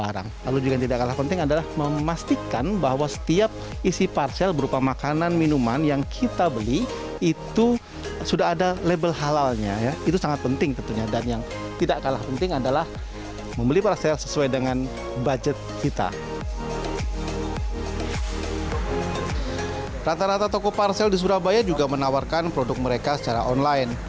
rata rata toko parsel di surabaya juga menawarkan produk mereka secara online